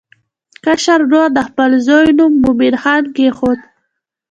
کشر ورور د خپل زوی نوم مومن خان کېښود.